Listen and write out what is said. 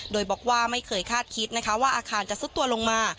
โดยบอกว่าไม่เคยคาดคิดนะคะว่าอาคารจะซุดตัวลงมา